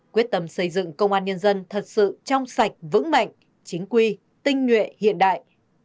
quyết tâm xây dựng công an nhân dân thật sự trong sạch vững mạnh chính quy tinh nguyện hiện đại